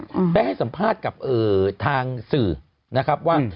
ได้ให้สัมภาษณ์กับทางสื่อนะครับว่า